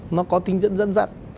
nó có tính chất dẫn dẫn